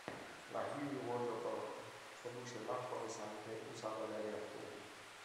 La Heavy Water Board produce l'acqua pesante usata dai reattori.